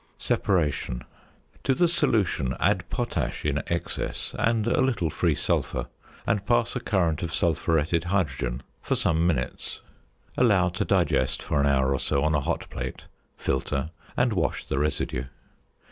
~Separation.~ To the solution add potash in excess and a little free sulphur, and pass a current of sulphuretted hydrogen for some minutes; allow to digest for an hour or so on a hot plate; filter; and wash the residue.